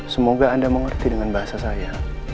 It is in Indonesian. semoga anda mengerti dengan bahasa saya